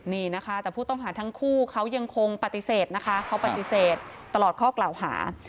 นี่นะคะแต่ผู้ต้องหาทั้งคู่เขายังคงปฏิเสธนะคะเขาปฏิเสธตลอดข้อกล่าวหา